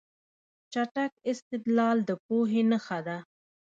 چټک استدلال د پوهې نښه ده.